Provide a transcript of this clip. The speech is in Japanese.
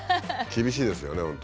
厳しいですよね